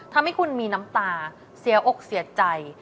ทำให้คุณมีน้ำตาเสียอกเสียใจ